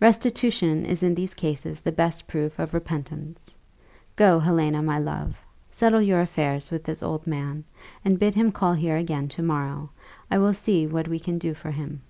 Restitution is in these cases the best proof of repentance. Go, Helena, my love! settle your little affairs with this old man, and bid him call here again to morrow. I will see what we can do for him."